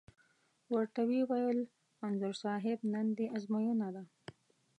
ور ته یې وویل: انځور صاحب نن دې ازموینه ده.